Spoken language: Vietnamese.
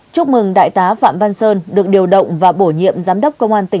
chúc mừng đại tá phạm văn sơn được điều động và bổ nhiệm giám đốc công an tỉnh